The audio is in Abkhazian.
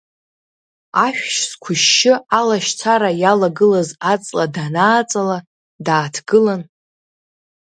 Ашәшь зқәышьшьы алашьцара иалагылаз аҵла данааҵала, дааҭгылан…